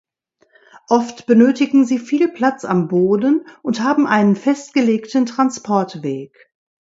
Oft benötigen sie viel Platz am Boden und haben einen festgelegten Transportweg.